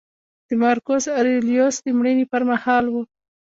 د مارکوس اریلیوس د مړینې پرمهال و